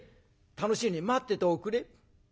楽しみに待ってておくれ」。